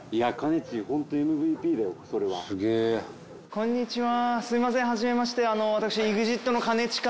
こんにちは。